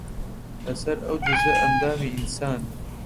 لەسەر ئەو جوزئە ئەندامی ئینسان